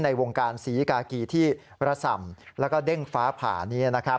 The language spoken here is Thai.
ในวงการสีกากีที่ระส่ำและเด้งฟ้าผานี้